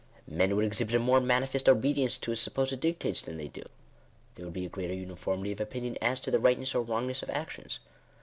Men would exhibit a more manifest obedience to its supposed dic tates than they do. There would be a greater uniformity of opinion as to the tightness or wrongness of actions.